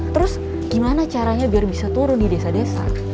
terus gimana caranya biar bisa turun di desa desa